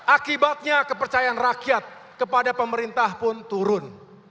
akibatnya kepercayaan rakyat kepada pemerintah pun turun